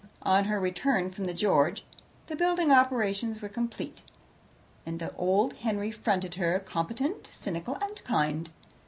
On her return from the George the building operations were complete, and the old Henry fronted her, competent, cynical, and kind.